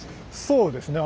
そうですね。